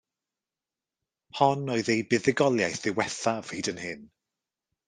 Hon oedd eu buddugoliaeth ddiwethaf hyd yn hyn.